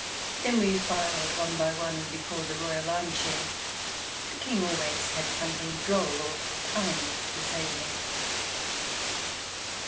Then we filed one by one before the Royal arm chair. The King always had something droll or kind to say to me.